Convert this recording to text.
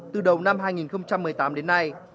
từ đầu năm hai nghìn một mươi tám đến nay